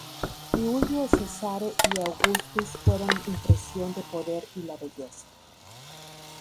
Giulio Cesare y Augustus fueron impresión de poder y la belleza.